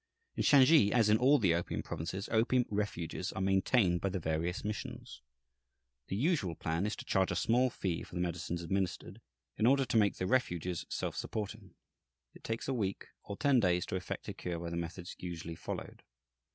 In Shansi, as in all the opium provinces, "opium refuges" are maintained by the various missions. The usual plan is to charge a small fee for the medicines administered, in order to make the refuges self supporting. It takes a week or ten days to effect a cure by the methods usually followed.